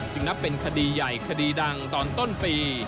นับเป็นคดีใหญ่คดีดังตอนต้นปี